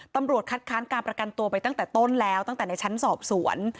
ตำรวจคัดค้านการประกันตัวไปตั้งแต่ต้นแล้วตั้งแต่ในชั้นสอบสวน